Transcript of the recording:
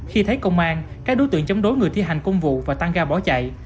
khi thấy công an các đối tượng chống đối người thi hành công vụ và tăng ga bỏ chạy